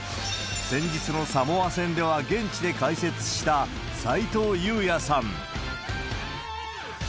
前日のサモア戦では現地で解説した斉藤祐也さん。